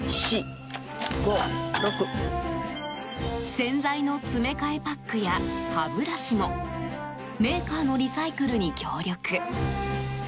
洗剤の詰め替えパックや歯ブラシもメーカーのリサイクルに協力。